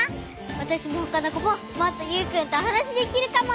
わたしもほかのこももっとユウくんとおはなしできるかも！